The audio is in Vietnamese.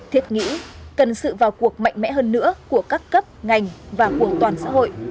thiết nghĩ cần sự vào cuộc mạnh mẽ hơn nữa của các cấp ngành và của toàn xã hội